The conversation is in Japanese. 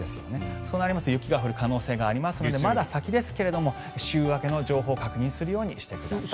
そうなりますと雪が降る可能性がありますのでまだ先ですが週明けの情報を確認するようにしてください。